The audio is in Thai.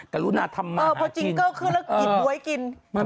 แต่รุณาธรรมมาหาจินเออพอจริงก็เครื่องละกิดบ๊วยกิน